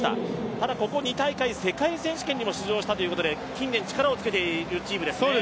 ただここ２大会、世界選手権にも出場したということで力を付けていますね。